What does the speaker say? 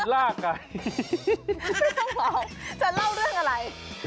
ลากไงไม่ต้องบอกจะเล่าเรื่องอะไร